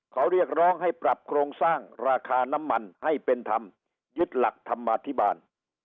เขาเรียกร้องให้ปรับโครงสร้างราคาน้ำมันให้เป็นธรรมยึดหลักธรรมาธิบาล